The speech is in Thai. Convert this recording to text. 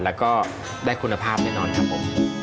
แล้วก็ได้คุณภาพแน่นอนครับผม